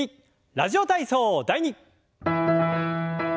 「ラジオ体操第２」。